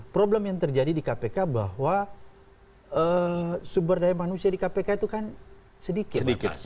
problem yang terjadi di kpk bahwa sumber daya manusia di kpk itu kan sedikit